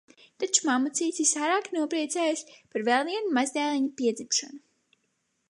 Taču mammucītis visvairāk nopriecājies par vēl viena mazdēliņa piedzimšanu.